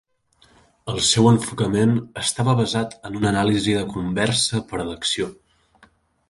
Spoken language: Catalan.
El seu enfocament estava basat en una anàlisi de conversa per a l'acció.